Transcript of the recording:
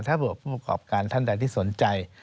ถ้าประกอบการย์ท่านใดที่สนใจ